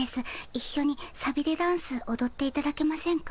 いっしょにさびれダンスおどっていただけませんか？